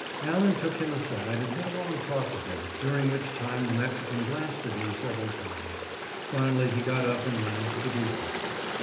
Allen took him aside and had a long talk with him, during which time the Mexican glanced at me several times. Finally he got up and went into the depot.